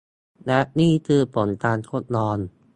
และนี่คือผลการทดลอง